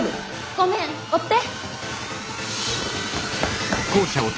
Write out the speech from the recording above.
ごめん追って！